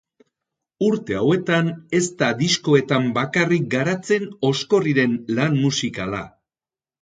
Urte hauetan ez da diskoetan bakarrik garatzen Oskorriren lan musikala.